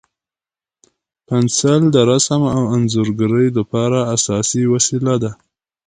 پنسل د رسم او انځورګرۍ لپاره اساسي وسیله ده.